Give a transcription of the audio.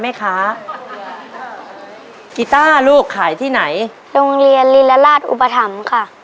ไหมคะกีต้าลูกขายที่ไหนโรงเรียนลีลาราชอุปถัมภ์ค่ะ